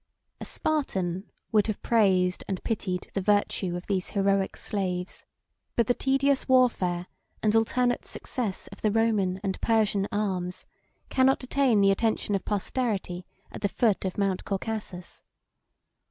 A Spartan would have praised and pitied the virtue of these heroic slaves; but the tedious warfare and alternate success of the Roman and Persian arms cannot detain the attention of posterity at the foot of Mount Caucasus.